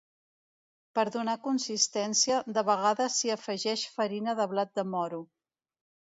Per donar consistència de vegades s'hi afegeix farina de blat de moro.